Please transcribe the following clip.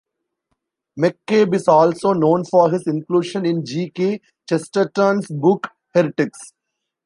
McCabe is also known for his inclusion in G. K. Chesterton's book "Heretics".